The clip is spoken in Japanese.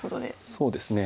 そうですね。